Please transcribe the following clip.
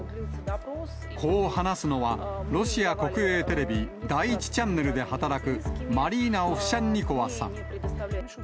こう話すのは、ロシア国営テレビ、第１チャンネルで働く、マリーナ・オフシャンニコワさん。